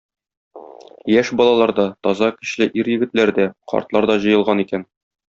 Яшь балалар да, таза, көчле ир-егетләр дә, картлар да җыелган икән.